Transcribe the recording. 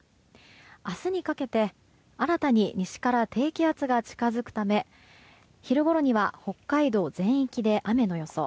明日にかけて、新たに西から低気圧が近づくため昼ごろには北海道全域で雨の予想。